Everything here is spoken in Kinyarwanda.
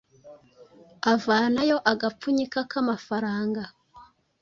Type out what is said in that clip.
avanayo agapfunyika k’amafaranga,